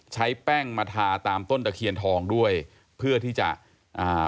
ใช้แป้งมาทาตามต้นตะเคียนทองด้วยเพื่อที่จะอ่า